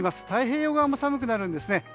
太平洋側も寒くなるんですね。